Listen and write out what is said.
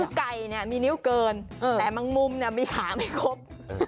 คือไก่เนี่ยมีนิ้วเกินแต่บางมุมเนี่ยมีขาไม่ครบ